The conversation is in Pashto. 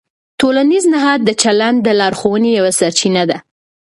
ټولنیز نهاد د چلند د لارښوونې یوه سرچینه ده.